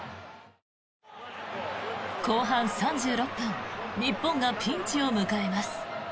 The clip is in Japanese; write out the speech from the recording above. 後半３６分日本がピンチを迎えます。